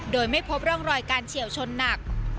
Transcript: โดยไม่พบร่องรอยการเฉียวชนหนัก